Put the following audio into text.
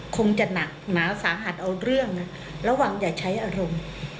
คงจะหนักหนาสาหัสเอาเรื่องนะระวังอย่าใช้อารมณ์